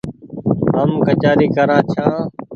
هم ڪچآري ڪرآن ڇآن ۔